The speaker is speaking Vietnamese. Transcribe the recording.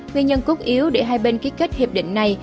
nguyên nhân cốt yếu để hai bên ký kết hiệp định này